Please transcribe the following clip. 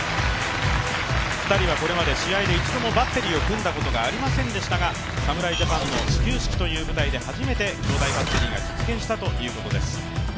２人はこれまで試合で一度もバッテリーを組んだことがありませんでしたが侍ジャパンの始球式という舞台で初めて兄弟バッテリーが実現したということです。